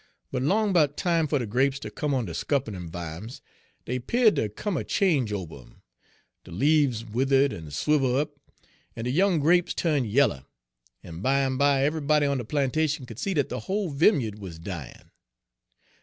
"But 'long 'bout time fer de grapes ter come on de scuppernon' vimes, dey 'peared ter come a change ober 'em; de leaves withered en swivel' up, en de young grapes turn' yaller, en bimeby eve'ybody on de plantation could see dat de whole vimya'd wuz dyin'.